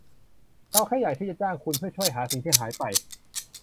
เราแค่อยากที่จะจ้างคุณเพื่อช่วยหาสิ่งที่หายไป